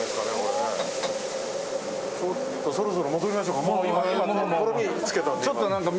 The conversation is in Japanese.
そろそろ戻りましょうか。